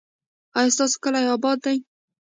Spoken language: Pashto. ایا ستاسو کلی اباد دی؟